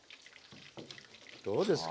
どうですか？